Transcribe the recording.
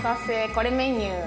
これメニュー。